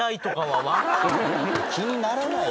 気にならないよ。